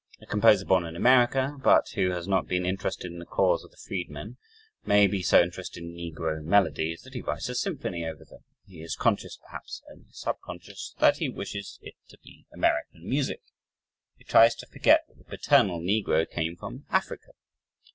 A composer born in America, but who has not been interested in the "cause of the Freedmen," may be so interested in "negro melodies," that he writes a symphony over them. He is conscious (perhaps only subconscious) that he wishes it to be "American music." He tries to forget that the paternal negro came from Africa.